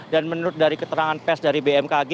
dan menurut dari keterangan pes dari bmkg